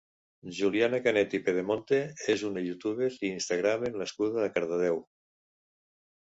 Juliana Canet i Pedemonte és una youtuber i Instagramer nascuda a Cardedeu.